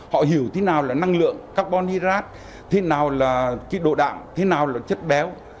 họ hiểu thế nào là năng lượng carbon hydrate thế nào là độ đạm thế nào là chất béo